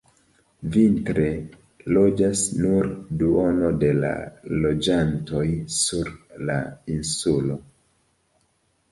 Vintre loĝas nur duono de la loĝantoj sur la insulo.